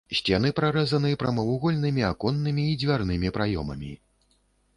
Сцены прарэзаны прамавугольнымі аконнымі і дзвярнымі праёмамі.